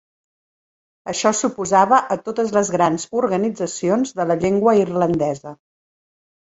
Això s'oposava a totes les grans organitzacions de la llengua irlandesa.